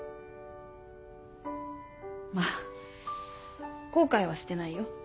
まぁ後悔はしてないよ。